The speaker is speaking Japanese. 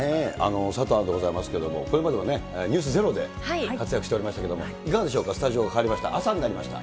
佐藤アナでございますけれども、これまではｎｅｗｓｚｅｒｏで活躍しておりましたけども、いかがでしょうか、スタジオ変わりました、朝になりました。